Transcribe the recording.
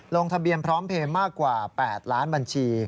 ลงทะเบียนพร้อมเพลย์มากกว่า๘ล้านบัญชี